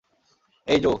এই, জো।